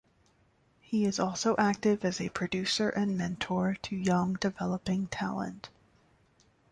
He is also active as a producer and mentor to young, developing talent.